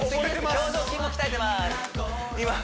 表情筋も鍛えてます